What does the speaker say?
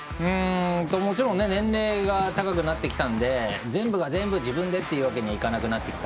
もちろん年齢が高くなってきたんで全部が全部自分でというわけにはいかなくなってきた。